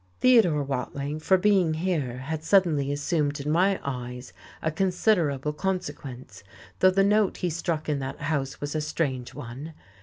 Theodore Watling, for being here, had suddenly assumed in my eyes a considerable consequence, though the note he struck in that house was a strange one.